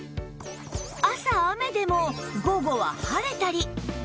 朝雨でも午後は晴れたり